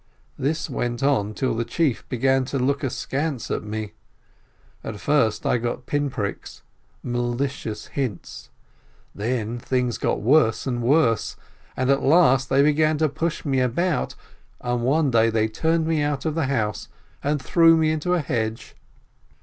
This went on till the chief began to look askance at me. At first I got pin pricks, malicious hints, then things got worse and worse, and at last they began to push me about, and one day they turned me out of the house, and threw me into a hedge.